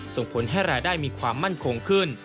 ส่งผลให้รายได้มีความมั่นคงขึ้น